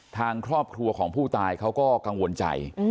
ทางครอบครัวของผู้ตายเขาก็กังวลใจ